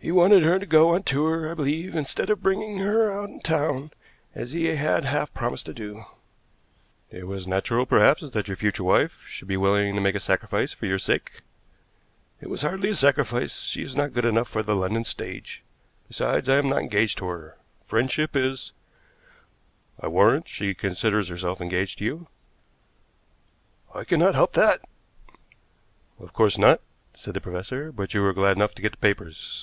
"He wanted her to go on tour, I believe, instead of bringing her out in town, as he had half promised to do." "It was natural perhaps that your future wife should be willing to make a sacrifice for your sake." "It was hardly a sacrifice. She is not good enough for the London stage. Besides, I am not engaged to her. Friendship is " "I warrant she considers herself engaged to you." "I cannot help that." "Of course not," said the professor, "but you were glad enough to get the papers.